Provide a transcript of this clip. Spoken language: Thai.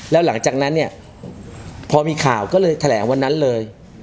แล้วหลังจากนั้นเนี่ยพอมีข่าวก็เลยแถลงวันนั้นเลย